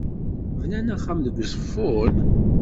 Bnan axxam deg Uzeffun?